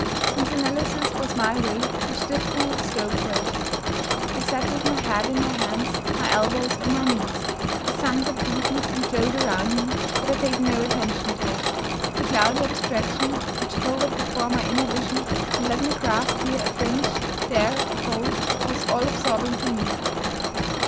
Since analysis was my way, I should have full scope for it. I sat with my head in my hands, my elbows on my knees. The sunset deepened and glowed around me, but I paid no attention to it. The cloudy abstraction which hovered before my inner vision, and let me grasp here a fringe, there a fold, was all absorbing to me.